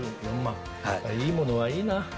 いいものはいいな。